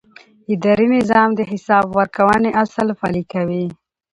اداري نظام د حساب ورکونې اصل پلي کوي.